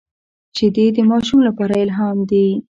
شیدې د ماشوم لپاره الهام دي